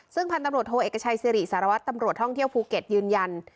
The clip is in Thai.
ซึ่งพันธุ์ตำรวจโทเอกชัยสิริสารวัตรตำรวจท่องเที่ยวภูเก็ตยืนยัน